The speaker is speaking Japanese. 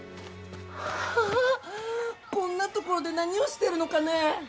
ああっこんな所で何をしてるのかね？